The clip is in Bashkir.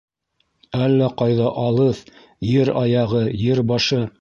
Әллә ҡайҙа алыҫ, ер аяғы ер башы.